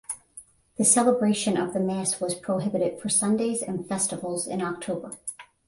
The celebration of the mass was prohibited for Sundays and festivals in October.